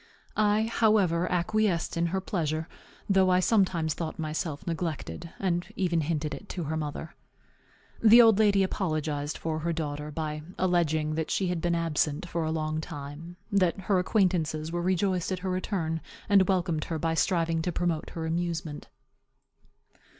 I, however, acquiesced in her pleasure, though I sometimes thought myself neglected, and even hinted it to her mother. The old lady apologized for her daughter, by alleging that she had been absent for a long time; that her acquaintances were rejoiced at her return, and welcomed her by striving to promote her amusement.